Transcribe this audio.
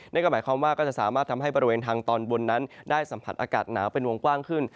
นั่นก็หมายความว่าก็จะสามารถทำให้บริเวณทางตอนบนนั้นได้สัมผัสอากาศหนาวเป็นวงกว้างขึ้น